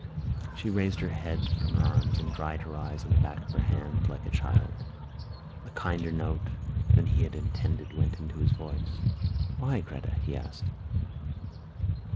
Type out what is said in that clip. She raised her head from her arms and dried her eyes with the back of her hand like a child. A kinder note than he had intended went into his voice. "Why, Gretta?" he asked.